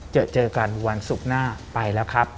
เจอเจอกันวันศุกร์หน้าไปแล้วครับ